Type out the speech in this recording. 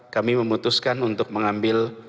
kami memutuskan untuk mengambil